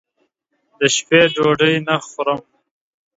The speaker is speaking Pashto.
دشپې ډوډۍ نه خورم